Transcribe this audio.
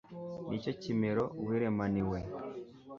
Nicyo kimero wiremaniwe